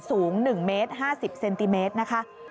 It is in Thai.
สูง๑เมตร๕๐เซนติเมตรนะคะ